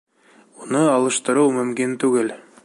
Уны алыштырыу мөмкин түгел.